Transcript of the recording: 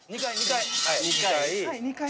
２回２回。